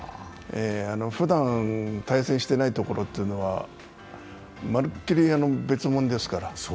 ふだん対戦していないところというのはまるっきり別もんですから。